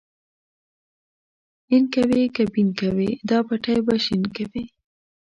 اين کوې که بېن کوې دا پټی به شين کوې.